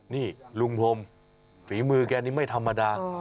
นี่ลุงพรมฝีมือแกนี่ไม่ธรรมดา